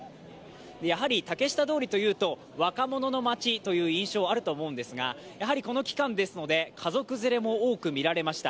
やはり竹下通りというと若者の街という印象あると思うんですがこの期間ですので、家族連れも多く見られました。